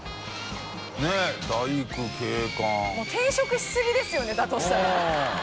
もう転職しすぎですよねだとしたら。